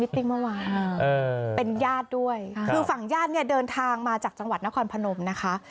เมื่อวานเป็นญาติด้วยคือฝั่งญาติเนี่ยเดินทางมาจากจังหวัดนครพนมนะคะ